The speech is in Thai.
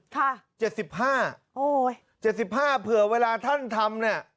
ครับ๗๕๗๕เผื่อเวลาท่านทำนี่